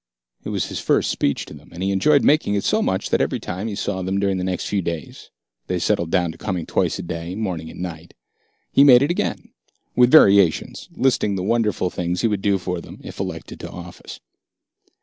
It was his first speech to them, and he enjoyed making it so much that every time he saw them during the next few days they settled down to coming twice a day, morning and night he made it again, with variations, listing the wonderful things he would do for them if elected to the office.